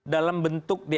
dalam bentuk dak